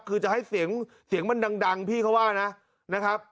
คือจะให้เสียงมันดังพี่เขาว่านะนะครับ